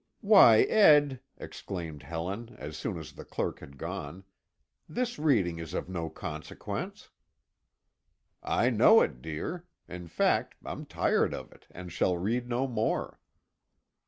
"Why, Ed," exclaimed Helen, as soon as the clerk had gone, "this reading is of no consequence." "I know it, dear. In fact I'm tired of it and shall read no more."